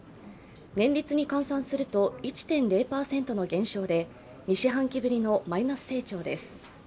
年率に換算すると１．０％の減少で２四半期ぶりのマイナス成長です。